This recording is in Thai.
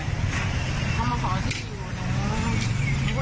ต้องการตามคุณคราว